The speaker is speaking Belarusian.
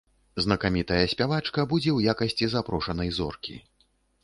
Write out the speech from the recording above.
Знакамітая спявачка будзе ў якасці запрошанай зоркі.